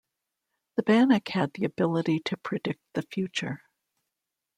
The Bannik had the ability to predict the future.